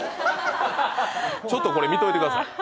ちょっと見といてください。